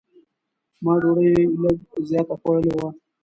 ما ډوډۍ لږ زیاته خوړلې وه.